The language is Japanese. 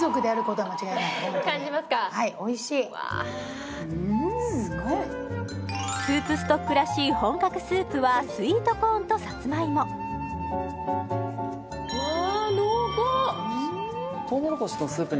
はいおいしいうわあすごいスープストックらしい本格スープはスイートコーンとさつまいもああ